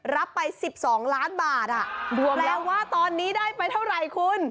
รับไป๑๒ล้านบาทแปลว่าตอนนี้ได้ไปเท่าไหร่คุณ